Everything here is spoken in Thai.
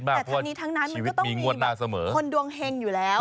แต่ทั้งนี้ทั้งนั้นมันก็ต้องมีคนมาเสมอคนดวงเฮงอยู่แล้ว